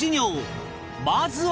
まずは